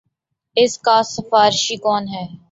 اس کا سفارشی کون ہے۔